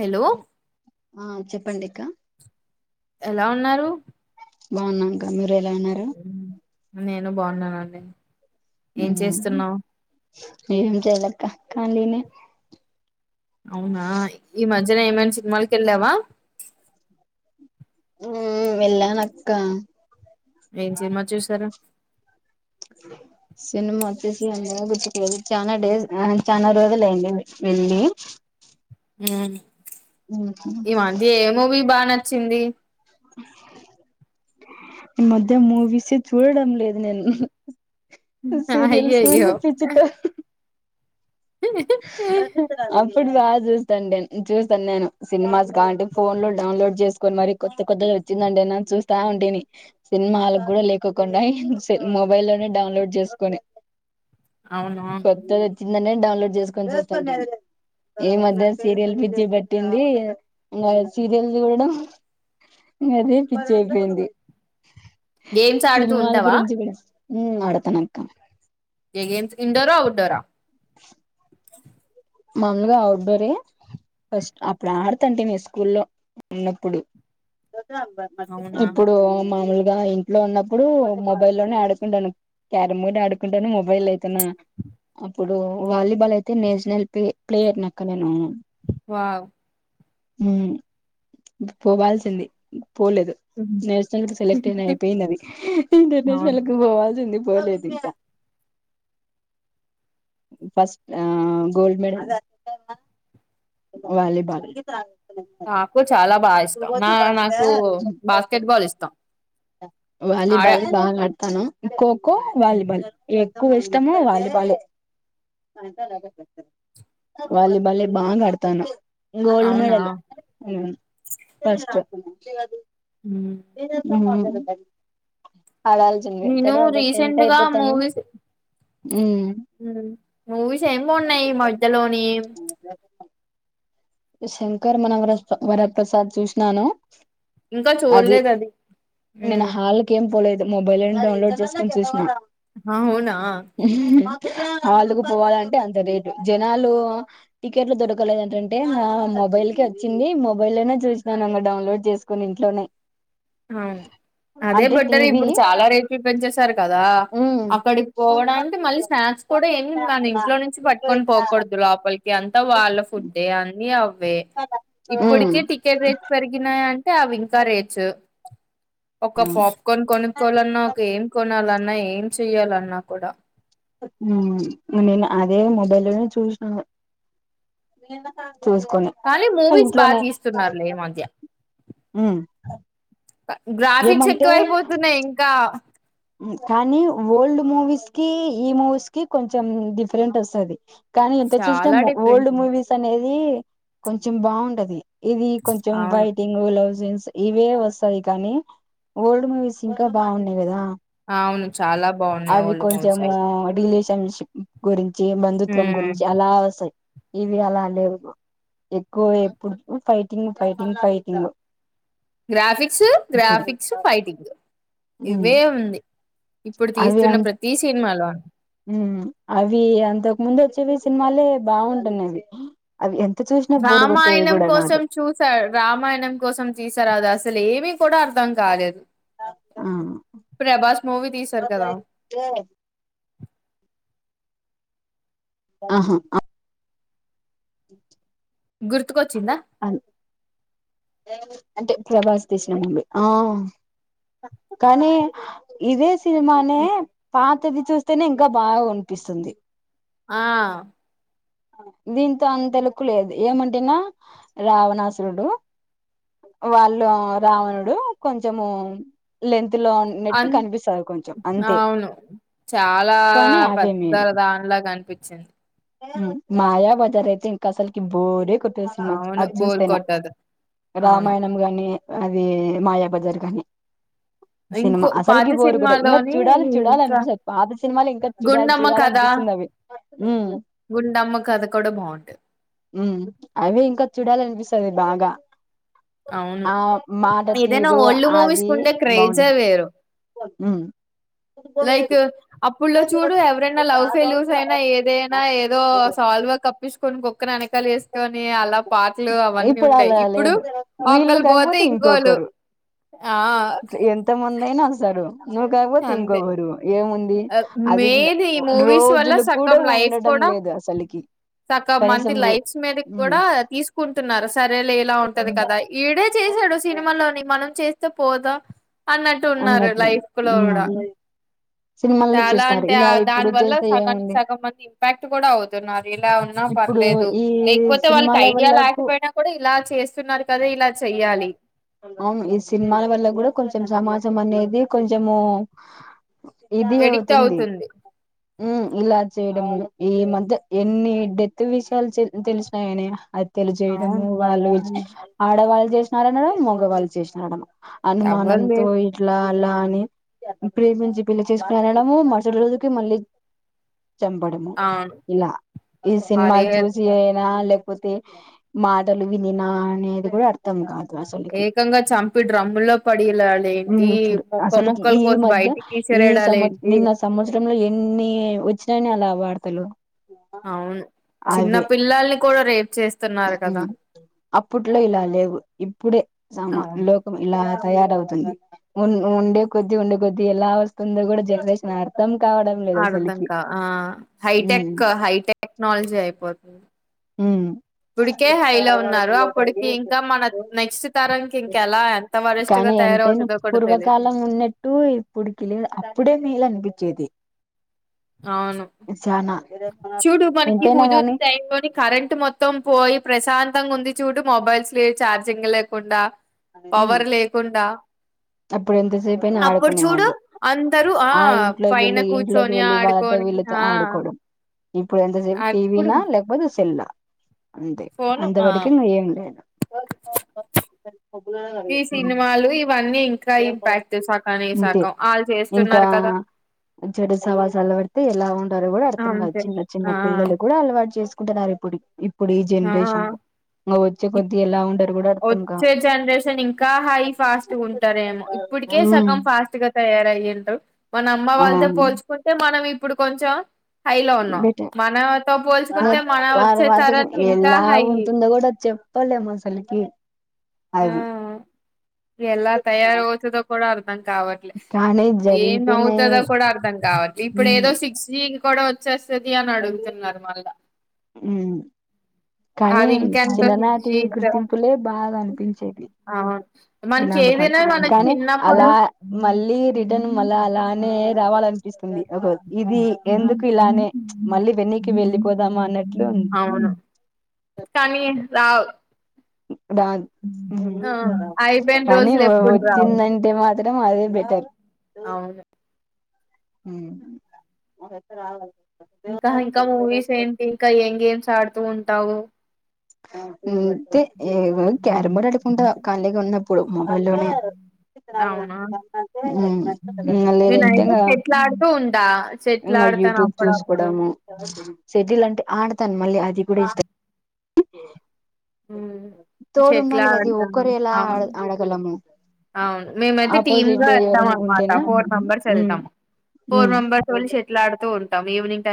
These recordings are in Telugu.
హలో ఆ చెప్పండిక్క ఎలా ఉన్నారు బావున్నాం కా మీరు ఎలా ఉన్నారు నేను బాగున్నానండి ఏం చేస్తున్నావు్ ఏం చెయాలక్క కలీనే అవునా ఈ మధ్యన ఏమైనా సినిమాలకు వెళ్ళావా ఉ వెళ్ళనక్క ఏం సినిమా చూసారుా సినిమా వచ్చేసి అంతాగానం గుర్తుకులేదు చాలా డేస్ చనాా రోజులుయింది వెళ్ళి అవును ఈ మాంది ఏమో మూవీ బాగానచ్ వచ్చింది ఈ మధ్య మూవీస్ చూడడం లేదు నేను సీరియల్స్ అయ్యయ్యో పిజిత [inaudible] ఇప్పుడు బాగా చూస్తాం నే చూస్తాను నేను సినిమాస్ కాంటే ఫోన్ లో డౌన్లోడ్ చేసుకొని మరి కొత్త కొత్తది వచ్చిందంే నని చూస్తా ఉంటేని సినిమాలకు కూడా లేకుకుండా మొబైల్ లోనే డౌన్లోడ్ చేసుకొని అవునా నిన్ననే డౌన్లోడ్ చేశా ఏ మధ్య సీరియల్ పిచ్చి పట్టింది ఇంకా సీరియల్ చూడడం ఇకా అదే పిచ్చి బ్యాటింది గేమ్స్ ఆడుతూ ఉంటావా ఉ అడుతనక్క ఏ గేమ్స్ ఇండోరా అవుట్డోరా మాముూలుగా అవుట్డోరే ఫస్ట్ అప్పుడు ఆడుతుంటివి స్కూల్లో ఉన్నప్పుడు అవునా ఇప్పుడు మామూలుగా ఇ ఇంట్లో ఉన్నప్పుడు మొబైల్ లోనే ఆడుకుంటాను క్యార బోర్డ్ ఆడుకుంటాను మొబైల్ అయితే అప్పుడు వాలీబాల్ అయితే నేషనల్ ప్లే ప్లేయర్నక్క నేను వావ్ పోవాల్సింది పోలేదు ఉహు, నేషనల్ కి సెలెక్ట్ అయినా అయిపోయింది అది ఇంటర్నేషనల్ అవును లేక పోవాల్సింది పోలేదికా ఫస్ట్ గోల్డ్ మెడల్ వాలీబాల్ నాకు చాలా బాగా ఇష్టం నా నాకు బాస్కెట్బాల్ ఇష్టం ఆడ తను హోం వాలీబాల్ ఎక్కువ ఇష్టమ వాలిబాలే వాలిబాలే బాగా ఆడుతా తను గోల్డ్ అవునా మెడల్ ఫస్ట్ అదు ఉమ్, [unintelligible] ఉమ్ అ [inaudible] ఆడాల్సింది నేను తర్వాత టెన్త్ రీసెంట్ గా అయిపోతాను. మూవీస్ మూవీస్ ఏం బన్నాయి ఈ మధ్యలోని. శంకర్ మనం వరప్రసాద్ చూసినాను. ఇంకా అది చూడలేదు నిన్న మ్మ్ హాల్కిమ్ ఏం పోలే. మొబైల్ లోని డౌన్లోడ్ చేసుకొని చూసిన. ఆ అవునా హలుకు పోవాలంటే అంత రేటు జనాలు టికెట్లు దొరకలేదు. ఆ మొబైల్ కి వచ్చింది మొబైల్ లోనే చూసినానుమా డౌన్లోడ్ చేసుకుని ఇంట్లోనే. అవును అదే అంటే బట్టర్ టీవీ ఇప్పుడు చాలా రేట్ పెంచేసారు కదా ఉమ్ అక్కడికి పోవడాంటే మళ్ళీ స్నాక్స్ కూడా ఏమి మన ఇంట్లో నుంచి పట్టుకొని పోకూడదు. లోపలికి అంతా వాళ్ళ ఫుడ్ అన్ని అవే ఉమ్ ఇప్పటికే టికెట్ రేట్ పెరిగినాయి. అవింకా రేట్స్. [inaudible] ఒక ఉమ్ పాప్కార్న్ కొనుక్కోవాలన్నా ఒక ఏం కొనా, అన్నా ఏం చెయ్యాలన్నా కూడా. నేను అదే మొబైల్ లోనే చూసినను. కానీ మూవీస్ బాగా తీస్తున్నారులే ఈ మధ్య. ఉమ్ గ్రాఫిక్స్ ఏమంటే ఎక్కువైపోతున్నాయి. ఇంకా కానీ ఓల్డ్ మూవీస్ కి ఈ మూవీస్ కి కొంచెం డిఫరెంట్ వస్తది. కానీ ఎంత చూసినే చాలా డిఫరెన్స్ ఓల్డ్ ఉంది. మూవీస్ అనేది. అది కొంచెం బాగుంటది. ఇది కొంచెం అవును ఫైటింగ్, లవ్ సీన్స్. ఇవే వస్తాయి కానీ ఓల్డ్ మూవీస్ ఇంకా బాగున్నాయి కదా. అవును చాలా బాగున్నాయి అవి ఓల్డ్ మూవీస్ కొంచెము. అయితే షిప్ గురించి [unintelligible] బంధుత్వం హ్మ్. గురించి అలా వస్తయి. ఇవి అలా లేవు ఎక్కువ ఎప్పుడు ఫైటింగ్, ఫైటింగ్, ఫైటింగ్. గ్రాఫిక్స్, ఇప్పుడు గ్రాఫిక్స్, ఫైటింగ్ ఉమ్ ఇవే ఉంది. ఇప్పుడు అవి అ తీస్తున్న ప్రతీ సినిమాలో ఉమ్ అవి అంతకు ముందు వచ్చేవి సినిమాలే బాగుంటున్నావి. అవి ఎం రామాయణం కోసం చూసా రామాయణం కోసం తీసారు అదా ఆ సి అసలేవి కూడా అర్ధం కాలేదు ఆ ప్రభాస్ మూవీ తీసారు కదా. ఆహా [inaudible] గుర్తుకొచ్చిందా అంటే ప్రభాస్ తీసిన మూవీ ఆ కానీ ఇదే సినిమానే పాత తది చూస్తేనే ఇంకా బాగా అనిపిస్తుంది. ఆ దీంతో అంత లుక్కు లేదు ఏమంటేనా రావణాసురుడు వాళ్ళు రావణుడు కొంచము లెంత్ లో ఉన్నట్టు అన్ కనిపిస్తారు కొంచెం అంతే అవును చాలా కానీ అవే పెద్ద దానిలాగా అనిపించింది. మాయాబజారైతే ఇంక అసల్కి బోరే కొ ట్టదు సుమ అవును అది బోర్ చూస్తేనా కొట్టదు అవును రామాయణము గానీ అది మాయాబజార్ కాని సినిమా ఇంకో పాత అసలుకి బోరు కొట్టదు ఇంకా సినిమాలోని చూడాలి ఇంకా చూడాలనిపిస్తది. పాత సినిమాలు ఇంకా చూడాలి గుండమ్మ కథ చూడాలనిపిస్తది అవి ఉమ్ గుండమ్మ కథ కూడా బాగుంటది ఉమ్ అవి ఇంకా చూడాలఅనిపిస్ సది బాగా ఆ మాట ఏదైనా తీరు ఓల్డ్ మూవీస్ కి అది ఉండే క్రేజే బాగుంటది వేరు ఉమ్ లైక్ అప్పుడ్లో చూడు ఎవరైనా లవ్ ఫెల్యూస్ అయినా ఏదైనా ఏదో సాల్వ్ కప్పిస్ స్కొని కుక్కని ఎనక్ క్కలు ఏసుకొని అలా పాటలు అవన్నీ ఇప్పుడు ఉండేయి అలా ఇప్పుడు లేదు వీళ్ళు ఒక్కలు పోతే కాకపోతే ఇంకోలు ఇంకొకరు ఆ నైనా వస్తారు నువ్వు కాకపోతే అంతే ఇంకొకరు ఏముంది అది మెయిన్ ఈ మూవీస్ వల్ల రోజులు కూడా సగం లైఫ్ ఉండటం కూడా లేదు అసల్కి సగం కనీసం రో ఉమ్ టున్నారు అస్ సరేలేలా ఉంటది కదా ఈడే చేశాడు సినిమాలోని మనం చేస్ తేపోదా అన్నట్టు ఉన్నారు అన్నట్లు లైఫ్ లో కూడ సినిమాల్లో అలా చేస్తారు అంటే ఇలా ఆ ఇప్పుడు దాని వల్ల చేస్తే సగానికి ఏముంది సగం మంది ఇంపాక్ట్ కూడా అవుతున్నారు. ఇలా ఉన్నా ఇప్పుడు పర్లేదు ఈ లేకపోతే వాళ్ళకి సినిమాల ఐడియా వల్లకు లేకపోయినా కూడా ఇలా చేస్తున్నారు కదా ఇలా చెయ్యాలి. అవును ఈ సినిమాల వల్ల కూడా కొంచం సమాజ్ అనేది కొంచము ఎడిక్ట్ అవుతుంది హు ఇలా చేయడము ఈ మధ్య ఎన్ని డెత్ విషయాలు తెలిసినాయని అద్ అవును తెలియజేయడము వాళ్ళు ఆడవాళ్ళు చేసినారు అనుడే మగవాళ్ళు చేసిన అనడమే ఎవరు అనుమానంతో లేరు ఇ అలా అని ప్రేమించి పెళ్లి చేసుకుని అనడము మరుసటి రోజుకి మళ్ళీ చంపడము అవును ఇలా ఈ అదే సినిమాలు చూసి అయినా లే లేకపోతే మాటలు వినినా అనేది కూడా అర్థం కాదు అసలుకి ఏకంగా చంపి డ్రమ్ములో పడిలాడే హ్ చూడు అసలు ఈ మధ్య ఈ సం తీసిరేడాలేంటి నిన్న సంవత్సరంలో ఎన్ని వచ్చిన అలా వార్తలు అవును చిన్న అవే పిల్లల్ని కూడా రేప్ చేస్తున్నారు కదా ఉహ్ అప్పట్లో ఇలా లేవు ఇప్పుడే సమ అవును లోకం ఇలా తయారవుతుంది ఉన్ ఉండే కొద్ది ఉండే కొద్ది ఎలా వస్తుందో కూడా జనరేషన్ అర్థం కావడం లేదు అర్ధం అసలుకి కా ఆ ఉమ్ హైటెక్ హైటెక్ టెక్నాలజీ అయిపోతుంది ఇప్పుడికే హై లో ఉన్నారు అప్పటికి ఇంకా మన నెక్స్ట్ తరంకి ఇంకెలా ఎంత వరస్ట్ గా కానీ ఎంతైనా తయారవుతదో కూడా తెలిదు పూర్వకాలం ఉన్నట్టు ఇప్పుడు కి అప్పుడే వీళ్ళని ఇచ్చేది అవును చూడు మనకి ఎంతైనా ఉదుదు గాని టైంలోని కరెంట్ కరెంట్ మొత్తం పోయి ప్రశాంతంగా ఉంది చూడు మొబైల్స్ లో ఛార్జింగ్ లేకుండా పవర్ లేకుంటా ఇప్పుడు ఎంతసేపు అయినా ఆడుకునే వాళ్ళు ఆ ఇంట్లోకి పైన వెళ్ళి ఈ ఇంట్లోకి కూర్చొని వెళ్ళి వాళ్ళతో ఆడుకొని వీళ్ళతో ఆ ఆడుకోవడం ఇప్పుడు ఎంతసేపు అప్పుడు టీవీనా లేకపోతే సెల్ హా అంతే ఫోను ఆ అంతవరకును ఏం లేదు [inaudible] ఈ సినిమాలు ఇవన్నీ ఇంకా ఇంపాక్ట్ సకాన ఈ అంతే సకం వాళ్ళు ఇంకా చేస్తున్నారు కదా చెడు సవాస్లు వట్టి ఎలా ఉండాలో కూడా అర్థం కాదు అంతే చిన్న చిన్న ఆ పిల్లలు కూడా అలవాటు చేసుకు కుంటనన్నారు ఇప్పుడిప్పు ఇప్పుడు ఈ ఆ జనరేషన్ ఆ వచ్చే కొద్దిీ ఎలా ఉండరు కూడా అర్థం కా వచ్చే జనరేషన్ ఇంకా హై ఫాస్ట్గా ఉంటారేమో ఇప్పటికే ఉమ్ సగం ఫాస్ట్ గా తయారుయ్యిండ్రూ మన అమ్మ వాళ్ళతో అవును పోల్చుకుంటే మనం ఇప్ ఇప్పుడు కొంచెం హైలో ఉన్నా బెటర్ మనతో పోల్చుకుంటే మన వచ్చేతర ఏం ల ఉంటుందో కూడా చెప్పలేం అసలికి ఆ ఎలా తయారవుతుందో కూడా అర్థం కావట్లే కానీ ఏం జరిగిపోయినాయి అవుతదో కూడా అర్థం కావట్లే ఇప్పుడు ఉమ్ ఏదో సిక్స్ జీ కూడా వచ్చేస్ తది అని అడుగుతున్నారు మళ్ళా మ్మ్ కానీ అది ఇంకెంత చిన్ననాటి ఫీజు గుర్తింపులే బా గనిపించేది అవును మనకి జ్ఞాపకాలు ఏదైనా మన కానీ చిన్నప్పుడు అలా మళ్ళీ రిటర్న్ మళ్ళ అలానే రావాలనిపిస్తు స్తుంది అదే ఇది ఎందుకు ఇలానే మళ్ళీ వెన్నకి వెళ్ళిపోదామా అన్నట్లు ఉంది అవును కానీ రావు రాద్ ముందు ఆ తర అయిపోయిన కానీ రోజులు ఎప్పుడు రావు వచ్చిందంటే మా త్రం అదే బెటర్ అవును మ్మ్ అదంతా రావ్ లే ఇంకా ఇంకా మూవీస్ ఏంటి ఇంకా ఏం గేమ్స్ ఆడుతూ ఉంటావు ఆ మేము ఇంతే మేము క్యారం బోర్డ్ ఆడుకుంట కాలిగా ఉన్నప్ ప్పుడు మొబైలోనే అవునా లేదంటే నేనయితే ఇకా చెట్లు ఆడుతూ ఉంటా చెట్లు ఇకా ఆడతాను యూట్యూబ్ అప్పుడప్పుడు చూసుకోవడము సిటీల్ అంటే ఆడతాను మళ్ళీ అది కూడా ఇష్ట మ్మ్ తోడు చెట్లా ఉండాలి కదా అది ఆడతాము ఒక్కరు ఎలా ఆడ అవును ఆడగలము అవును మేమైతే టీమ్గా ఆపోజిట్ వెళ్తాం ఎవరైనా అన్నమాట ఉంటేనా ఫోర్ మెంబెర్స్ ఉమ్ వెళ్తాము ఫోర్ ఉమ్ మెంబెర్స్ళ్ళి చెట్లా ఆడుతూ ఉంట స ఈవినింగ్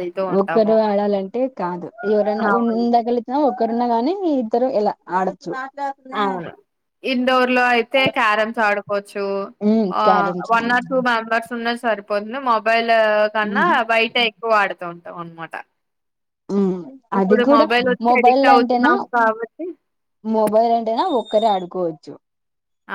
వెళ్తూ ఒక్కరు ఉంటాము ఆడాలంటే కాదు ఎవరన్నా అవును ఉండగలుగుయినా ఓకె ఒక్కరున్న గాని ఇద్దరు ఇలా ఆడొచ్చు అవును ఇండోర్ లో అయితే క్యారమ్స్ ఆడుకోవచ్చు ఉమ్ ఆ క్యారమ్స్ వన్ ఆడి ఆర్ టూ మెంబర్స్ ఉన్న సరిపోంది మా గా కన్నా ఉమ్ బయటె ఎక్ ఎక్కువ వాడుతా ఉంటాం అనమాట అది ఇప్పుడు కూడా మొబైల్ వచ్చి మొబైల్ అడిక్ట్ అంటేనా అవుతున్నాము కాబట్టి మొబైల్ అంటే అంటేనా ఒక్కరే ఆడుకోవచ్చు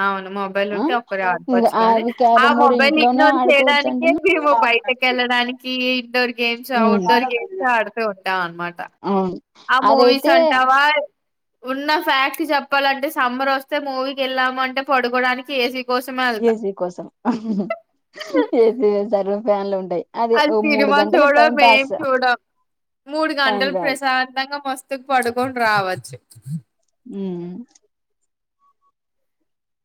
అవును మొబైల్ ఆ ఉంటే ఒక్కరిే ఇంగ ఆడుకోవచ్చు గాని అది ఆ క్యారం బోర్డ్ మొబైల్ ఇంట్లోనే ఇగ్నోర్ ఆడుకోవచ్చు చేయడానికే అంటేనా మేము బయటక వెళ్ళడానికి ఇండోర్ గేమ్స్ ఉమ్ అఔట్డోర్ గేమ్స్ ఆడుతూ ఉంటాం అనమాట అవును ఆ మూవీస్ అదైతే అంటావా ఉన్న ఫ్యాక్ట్ చెప్పాలంటే సమ్మర్ వస్తే మూవీకి వెళ్ళామ అంటే పడుకోడానికి ఏసీ కోసమే ఎళ్తాం ఏజీ కోసం ఏజీ సారు వన్ ఉంటే అది సినిమా చూడ మేం చూడ మూడు టైం గంటలు రాదు ప్రశాంతంగా మస్త తు పడుకొని రావచ్చు ఉ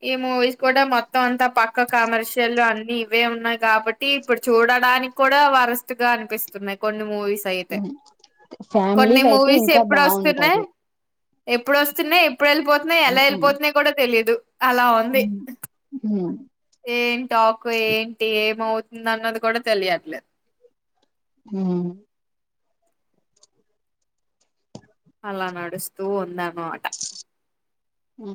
ఈ మూవీస్ కూడా మొత్తం అంతా పక్క కమర్షియల్ అన్ని ఇవే ఉన్నాయి కాబట్టి ఇప్పుడు చూడడానికి కూడా వరస్ట్ గా అనిపిస్తున్నాయి కొన్ని మూవీ ఫ్యామిలీ అయితే మూవీస్ ఇంకా ఎప్పుడు వస్తున్నాయి బాగుంటది ఎప్పుడు వస్తున్నాయి ఎప్పుడు వెళ్ళిపోతున్నాయి ఉ ఎలా వెళ్ళిపోతున్నాయి కూడా తెలీయదు అలా ఉంది ఏం టాకు ఏంటి ఏమవుతు ఎంత అన్నది కూడా తెలియట్లేదు హు అలా నడుస్తూ ఉందన్నమాట హు